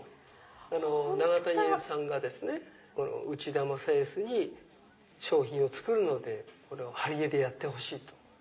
永谷園さんが内田正泰に商品を作るので貼り絵でやってほしいと。